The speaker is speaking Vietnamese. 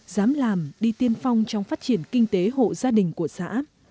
dám làm đi tiên phong trong phát triển kinh tế hộ gia đình của xã